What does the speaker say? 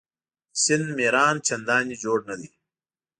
د سیند میران چنداني جوړ نه دي.